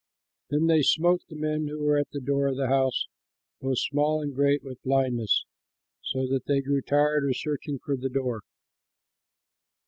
Then they smote the men who were at the door of the house, both small and great, with blindness, so that they grew tired of searching for the door.